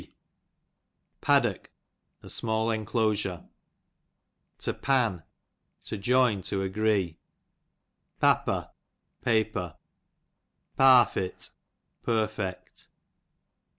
ADDOCK, asmallenclo' IP sure. To Pan, to join^ to agree, Papper, paper, Parfit, perfect.